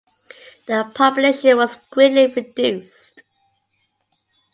The population was greatly reduced.